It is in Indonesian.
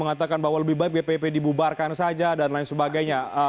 mengatakan bahwa lebih baik bpp dibubarkan saja dan lain sebagainya